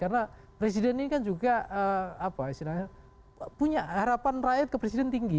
karena presiden ini kan juga apa istilahnya punya harapan rakyat ke presiden tinggi